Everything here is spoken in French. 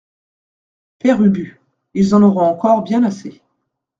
Père Ubu Ils en auront encore bien assez.